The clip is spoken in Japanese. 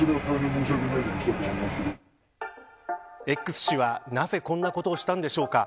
Ｘ氏はなぜこんなことをしたのでしょうか。